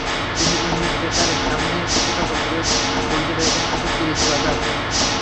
তিন ইংলিশ পেসারের সামনে কিছুটা প্রতিরোধ গড়তে পেরেছিলেন শুধু ক্রিস রজার্স।